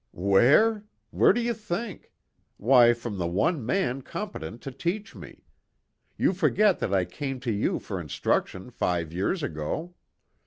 "Where? Where do you think? Why, from the one man competent to teach me. You forget that I came to you for instruction five years ago."